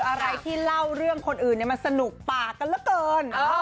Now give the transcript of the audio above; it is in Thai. อะไรที่เล่าเรื่องคนอื่นมันสนุกปากกันเหลือเกิน